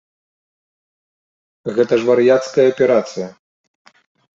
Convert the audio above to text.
Гэта ж вар'яцкая аперацыя.